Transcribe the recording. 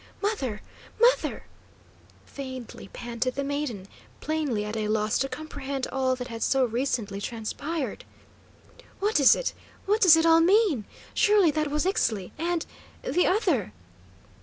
"Mother, mother!" faintly panted the maiden, plainly at a loss to comprehend all that had so recently transpired. "What is it? What does it all mean? Surely that was Ixtli; and the other?"